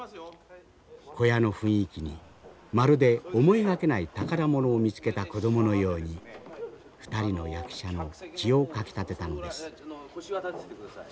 小屋の雰囲気にまるで思いがけない宝物を見つけた子供のように２人の役者の血をかきたてたのです。